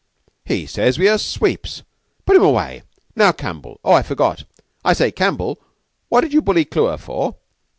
"He says we are sweeps. Put him away! Now, Campbell! Oh, I forgot! I say, Campbell, what did you bully Clewer for?"